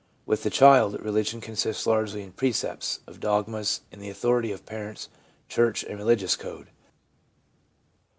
With the child, religion consists largely in precepts, in dogmas, in the authority of parents, church and religious code.